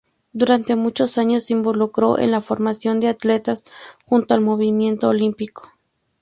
Durante muchos años se involucró en la formación de atletas junto al movimiento olímpico.